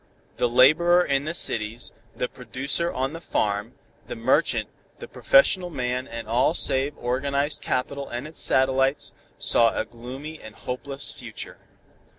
The laborer in the cities, the producer on the farm, the merchant, the professional man and all save organized capital and its satellites, saw a gloomy and hopeless future.